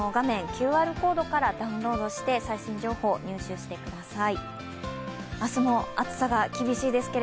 ＱＲコードからダウンロードして最新情報を入手してください。